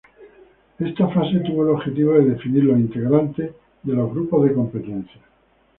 Esta fase tuvo el objetivo de definir los integrantes de los grupos de competencia.